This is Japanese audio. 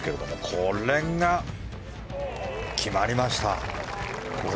これが決まりました。